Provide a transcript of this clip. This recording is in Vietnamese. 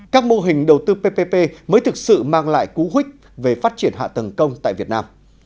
các mô hình đầu tư ppp mới thực sự mang lại cú huyết về phát triển hạ tầng công tại việt nam